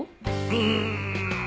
うん。